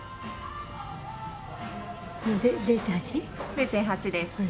０．８です。